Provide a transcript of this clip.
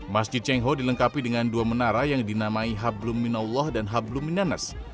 masjid cengho dilengkapi dengan dua menara yang dinamai hablum minallah dan hablum minanas